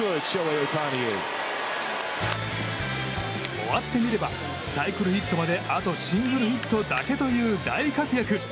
終わってみればサイクルヒットまであとシングルヒットだけという大活躍。